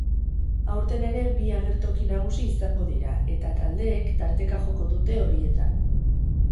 Aurten ere bi agertoki nagusi izango dira eta taldeek tarteka joko dute horietan.